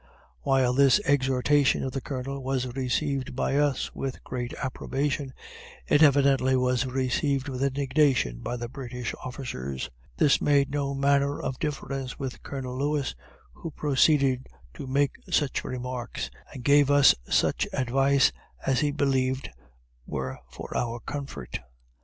While this exhortation of the Colonel was received by us with great approbation, it evidently was received with indignation by the British officers. This made no manner of difference with Colonel Lewis, who proceeded to make such remarks, and gave us such advice, as he believed were for our comfort.